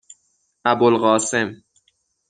ابوالقاسم